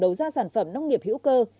đầu ra sản phẩm nông nghiệp hữu cơ